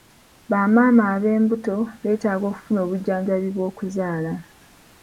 Bamaama ab'embuto beetaaga okufuna obujjanjabi bw'okuzaala.